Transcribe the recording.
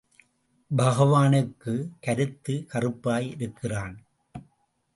பகவானுக்கு, கருத்து கறுப்பாய் இருக்கிறான்.